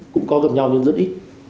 cũng có gặp nhau nhưng rất ít